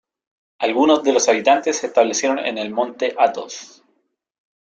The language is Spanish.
Algunos de los habitantes se establecieron en el Monte Athos.